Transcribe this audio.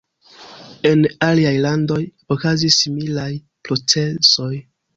En aliaj landoj okazis similaj procesoj.